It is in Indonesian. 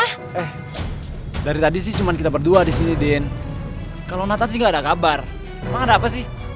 eh dari tadi sih cuma kita berdua di sini din kalau nathan sih gak ada kabar emang ada apa sih